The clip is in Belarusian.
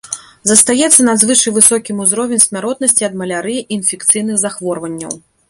Застаецца надзвычай высокім узровень смяротнасці ад малярыі і інфекцыйных захворванняў.